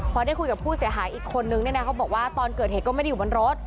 พอได้คุยกับผู้เสียหายอีกคนนึงเนี่ยนะเขาบอกว่าตอนเกิดเหตุก็ไม่ได้อยู่บนรถ